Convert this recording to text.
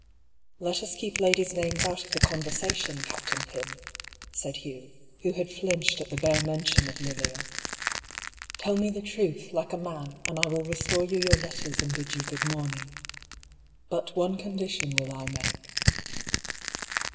" Let us keep ladies' names out of the conversation, Captain Pym," said Hugh, who had flinched at the bare mention of Lilia. " Tell me the truth, like a man, and I will restore you your letters and bid you good morning. But one condition will I make."